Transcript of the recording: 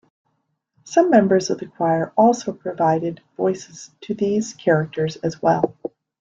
Some members of the choir also provided voices to these characters as well.